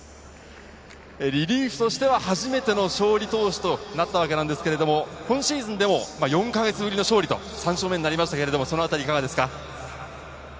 リリーフとしては初めての勝利投手となったわけですが、今シーズンでも４か月ぶりの勝利、３勝目となりましたが、いかがですか？